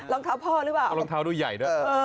เออรองเท้าพ่อหรือเปล่ารองเท้าดูใหญ่ด้วยเออ